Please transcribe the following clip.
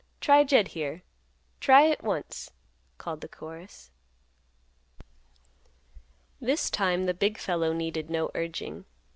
"Try Jed here." "Try hit once," called the chorus. This time the big fellow needed no urging.